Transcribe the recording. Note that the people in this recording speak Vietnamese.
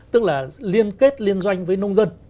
tức là liên kết liên doanh với nông dân